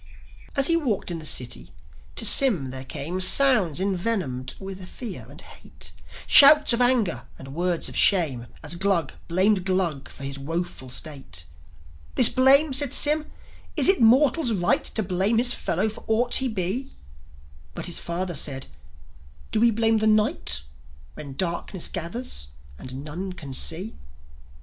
As he walked in the city, to Sym there came Sounds envenomed with fear and hate, Shouts of anger and words of shame, As Glug blamed Glug for his woeful state. "This blame?" said Sym, "Is it mortal's right To blame his fellow for aught he be?" But the father said, "Do we blame the night When darkness gathers and none can see?"